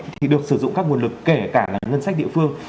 thì được sử dụng các nguồn lực kể cả là ngân sách địa phương